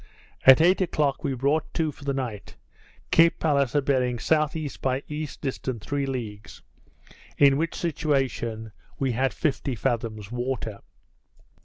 At eight o'clock we brought to for the night, Cape Palliser bearing S.E. by E. distant three leagues; in which situation we had fifty fathoms water.